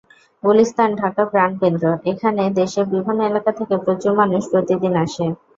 গুলিস্তান ঢাকার প্রাণকেন্দ্র, এখানে দেশের বিভিন্ন এলাকা থেকে প্রচুর মানুষ প্রতিদিন আসে।